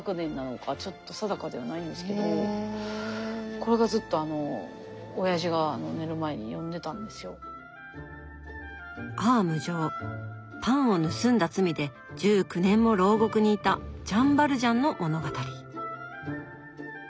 これがずっとパンを盗んだ罪で１９年も牢獄にいたジャン・バルジャンの物語。